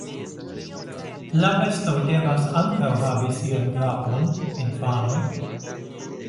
La besto devas ankaŭ havi sian kapon, infanoj!